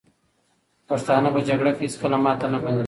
پښتانه په جګړه کې هېڅکله ماته نه مني.